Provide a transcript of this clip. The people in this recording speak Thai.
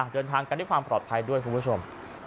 เดินทางกันด้วยความปลอดภัยด้วยคุณผู้ชม